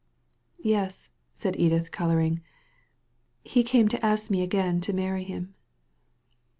"Yes," said Edith, colouring. "He came to ask me again to marry him."